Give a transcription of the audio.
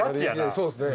そうっすね。